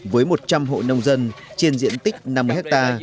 với một trăm linh hộ nông dân trên diện tích năm hecta